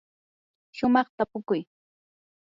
shumaq tapukuy.